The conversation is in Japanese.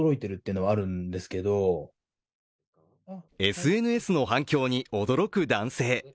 ＳＮＳの反響に驚く男性。